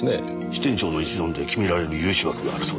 支店長の一存で決められる融資枠があるそうです。